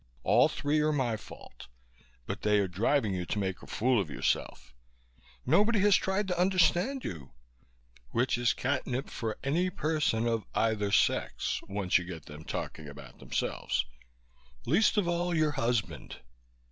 All three are my fault but they are driving you to make a fool of yourself. Nobody has tried to understand you" which is catnip for any person of either sex, once you get them talking about themselves "least of all your husband.